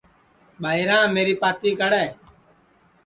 ٻائیراں میری پاتی کڑے